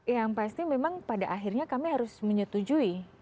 yang pasti memang pada akhirnya kami harus menyetujui